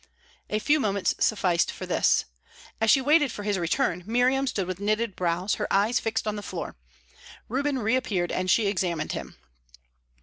A few moments sufficed for this. As she waited for his return, Miriam stood with knitted brows, her eyes fixed on the floor. Reuben reappeared, and she examined him.